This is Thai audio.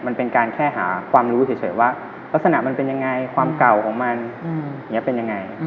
มันเป็นการแค่หาความรู้เฉยว่ารักษณะมันเป็นยังไงความเก่าของมันอย่างนี้เป็นยังไง